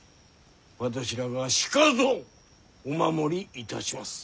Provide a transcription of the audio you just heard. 私らがしかとお守りいたします。